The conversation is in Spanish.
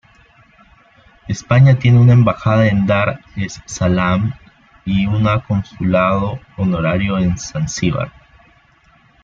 España tiene una embajada en Dar es Salaam y una consulado honorario en Zanzíbar.